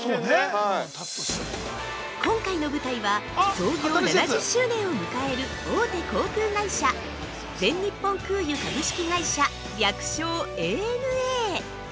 ◆今回の舞台は、創業７０周年を迎える大手航空会社、全日本空輸株式会社略称ＡＮＡ！